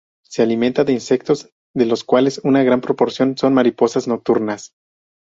Se alimenta de insectos, de los cuales una gran proporción son mariposas nocturnas.